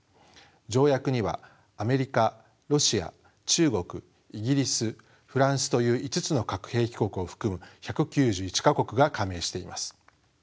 条約にはアメリカロシア中国イギリスフランスという５つの核兵器国を含む１９１か国が加盟しています。